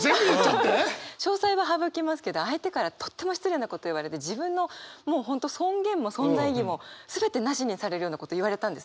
詳細は省きますけど相手からとっても失礼なこと言われて自分のもう本当尊厳も存在意義も全てなしにされるようなこと言われたんです。